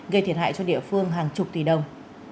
gây thiệt hại cho địa phương hàng chục tỷ đồng